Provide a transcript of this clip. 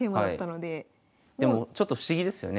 でもちょっと不思議ですよね。